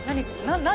何？